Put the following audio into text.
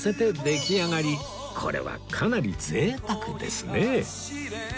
これはかなり贅沢ですね